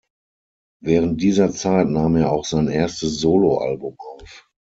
Während dieser Zeit nahm er auch sein erstes Solo-Album auf.